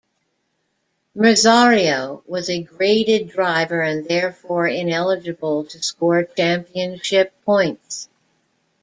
Merzario was a graded driver and therefore ineligible to score championship points.